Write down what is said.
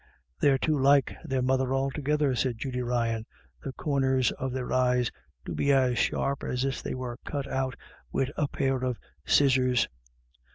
" They're too like their mother altogether," said Judy Ryan ;" the corners of their eyes do be as sharp as if they were cut out wid a pair of scis sors.